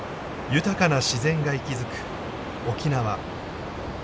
豊かな自然が息づく沖縄。